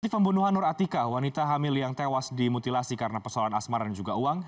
pembunuhan nur atika wanita hamil yang tewas dimutilasi karena persoalan asmaran dan juga uang